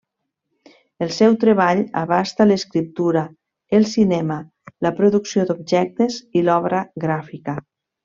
El seu treball abasta l'escriptura, el cinema, la producció d'objectes i l'obra gràfica.